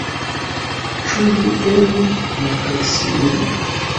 Ĉu vi el malproksime?